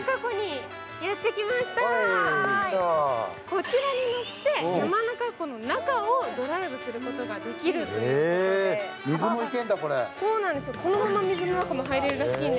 こちらに乗って山中湖の中をドライブすることができるんです。